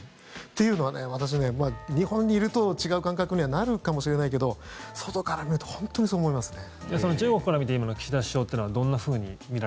というのはね、私、日本にいると違う感覚にはなるかもしれないけど外から見ると本当にそう思いますね。